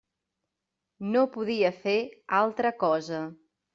No podia fer altra cosa.